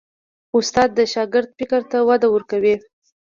استاد د شاګرد فکر ته وده ورکوي.